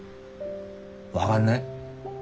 分がんない。